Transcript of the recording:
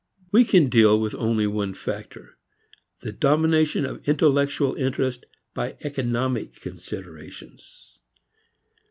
We can deal with only one factor, the domination of intellectual interest by economic considerations.